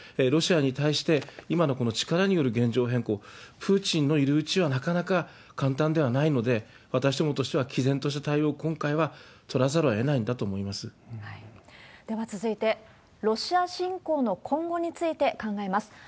ロシアに対して今のこの力による現状変更、プーチンのいるうちはなかなか簡単ではないので、私どもとしてはきぜんとした対応を今回は取らざるをえないんだとでは続いて、ロシア侵攻の今後について考えます。